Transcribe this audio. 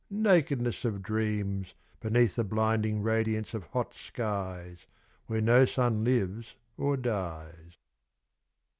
nakedness of dreams Beneath the blinding radiance of hot skies Where no sun lives or dies.